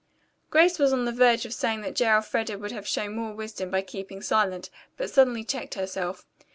Grace was on the verge of saying that J. Elfreda would have shown more wisdom by keeping silent, but suddenly checked herself.